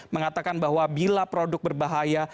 mengatakan bahwa bila produk berbahaya